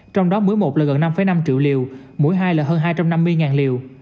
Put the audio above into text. trong đó mũi một là gần năm năm triệu liều mũi hai là hơn hai trăm năm mươi liều